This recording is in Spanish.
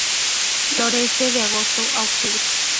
Florece de agosto a octubre.